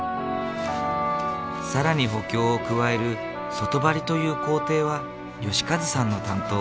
更に補強を加える外貼りという工程は良和さんの担当。